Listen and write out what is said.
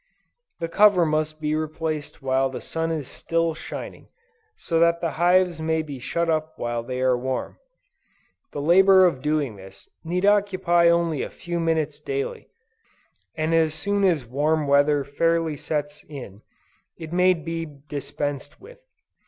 The cover must be replaced while the sun is still shining, so that the hives may be shut up while they are warm. The labor of doing this, need occupy only a few minutes daily, and as soon as warm weather fairly sets in, it may be dispensed with.